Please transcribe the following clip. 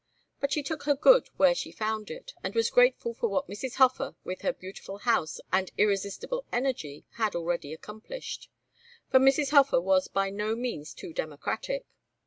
But she took her good where she found it, and was grateful for what Mrs. Hofer, with her beautiful house and irresistible energy had already accomplished. For Mrs. Hofer was by no means too democratic.